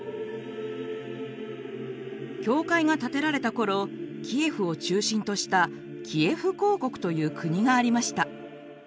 教会が建てられた頃キエフを中心としたキエフ公国という国がありました。